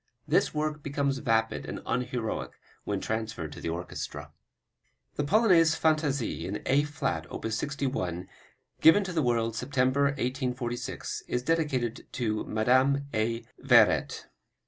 This work becomes vapid and unheroic when transferred to the orchestra. The Polonaise Fantaisie in A flat, op. 61, given to the world September, 1846, is dedicated to Madame A. Veyret.